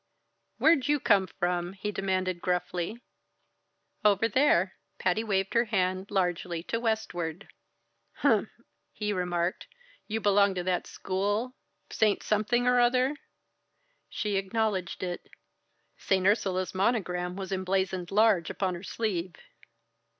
"Where'd you come from?" he demanded gruffly. "Over there." Patty waved her hand largely to westward. "Humph!" he remarked. "You belong to that school Saint Something or Other?" She acknowledged it. Saint Ursula's monogram was emblazoned large upon her sleeve.